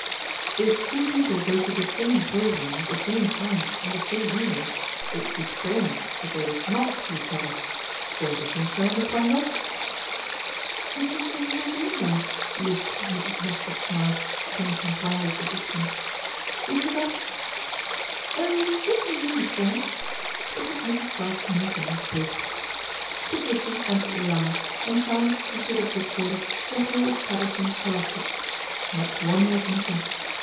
" If two people go to the same Grill room at the same time on the same evening, it would be strange if they did not see each other. Don't you think so Miss Wangle ?"" Did you say you were going there ?" lisped Mrs. Mosscrop Smythe, coming to Miss Wangle's assistance. ' We forgot." " Oh, do come in, Miss Brent !" It was Mrs. Craske Morton who spoke. Patricia entered the lounge and found, as she had anticipated, the whole establishment col lected. Not one was missing.